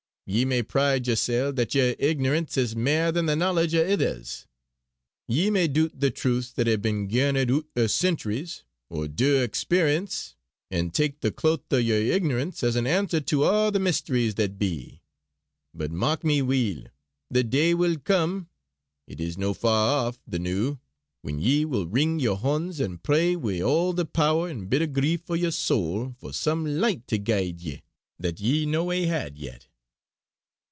Ye may pride yersel' that yer ignorance is mair than the knowledge o' ithers. Ye may doot the truths that hae been garnered oot o' centuries o' dour experience, an' tak' the cloak o' yer ignorance as an answer to a' the mysteries that be. But mark me weel! the day will come it is no far aff the noo when ye will wring yer honds, and pray wi' all the power an' bitter grief o' yer soul for some licht to guide ye that ye no hae had yet!"